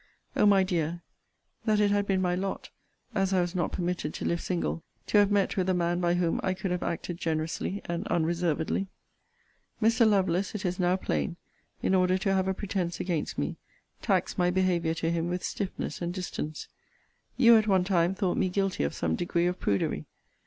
O my dear, that it had been my lot (as I was not permitted to live single,) to have met with a man by whom I could have acted generously and unreservedly! Mr. Lovelace, it is now plain, in order to have a pretence against me, taxed my behaviour to him with stiffness and distance. You, at one time, thought me guilty of some degree of prudery.